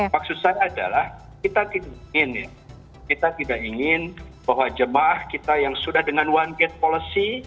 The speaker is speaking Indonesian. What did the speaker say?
maksud saya adalah kita tidak ingin ya kita tidak ingin bahwa jemaah kita yang sudah dengan one gate policy